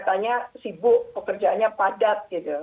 katanya sibuk pekerjaannya padat gitu